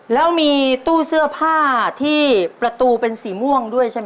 แล้วมีตู้เสื้อผ้าที่ประตูเป็นสีม่วงด้วยใช่ไหม